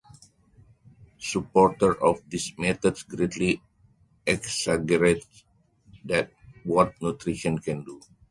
Supporters of these methods greatly exaggerate what nutrition can do.